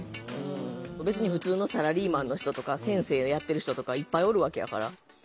別に普通のサラリーマンの人とか先生をやってる人とかいっぱいおるわけやから。